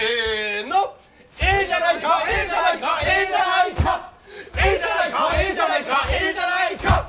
「ええじゃないかええじゃないかええじゃないか！」